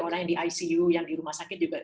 orang yang di icu yang di rumah sakit juga